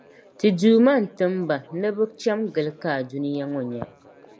Ti Duuma n-tim ba ni bɛ cham’ gili kaai dunia ŋɔ nya.